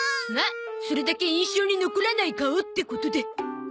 まっそれだけ印象に残らない顔ってことで。